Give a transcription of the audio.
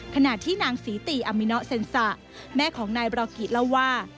ขณะที่นางศรีตีอามินอเซ็นสะแม่ของนายบรอกิเล่าว่า